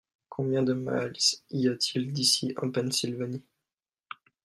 Combien de miles y a-t-il d'ici en Pennsylvanie ?